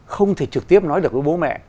không thể trực tiếp nói được với bố mẹ